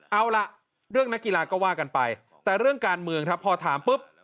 เอาล่ะเรื่องนักกีฬาก็ว่ากันไปแต่เรื่องการเมืองครับพอถามปุ๊บ